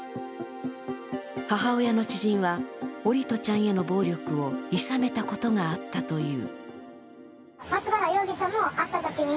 母親の知人は、桜利斗ちゃんへの暴力をいさめたことがあったという。